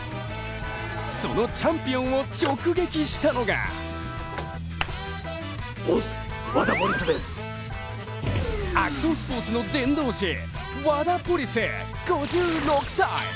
そのチャンピオンを直撃したのがアクションスポーツの伝道師ワダポリス５６歳。